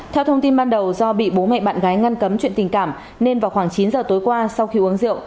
theo thông tin ban đầu do bị bố mẹ bạn gái ngăn cấm chuyện tình cảm nên vào khoảng chín giờ tối qua sau khi uống rượu